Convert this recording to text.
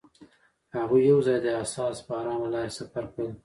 هغوی یوځای د حساس باران له لارې سفر پیل کړ.